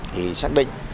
thì xác định